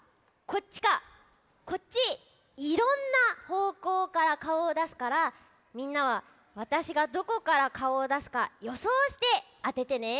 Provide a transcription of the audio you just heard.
いろんなほうこうからかおをだすからみんなはわたしがどこからかおをだすかよそうしてあててね。